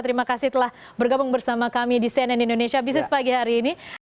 terima kasih telah bergabung bersama kami di cnn indonesia business pagi hari ini